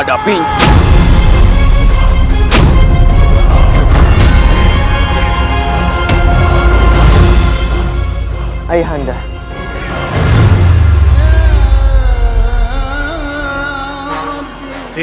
tapi loh ini dibandai